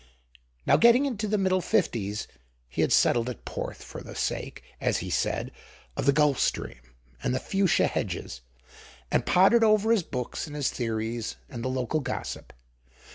Now getting into the middle fifties, he had settled at Porth for the sake, as he said, of the Gulf Stream and the fuchsia hedges, and pottered over his books and his theories and the local gossip.